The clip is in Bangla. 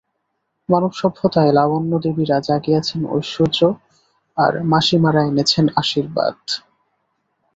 মানবসভ্যতায় লাবণ্য-দেবীরা জাগিয়েছেন ঐশ্বর্য, আর মাসিমারা এনেছেন আশীর্বাদ।